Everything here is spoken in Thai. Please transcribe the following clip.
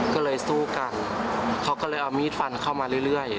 ก็เลยสู้กันเขาก็เลยเอามีดฟันเข้ามาเรื่อย